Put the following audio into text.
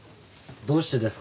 どうしてですか？